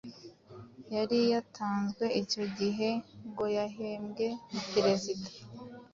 yari yatanzwe. Icyo gihe ngo yahembwe na perezida,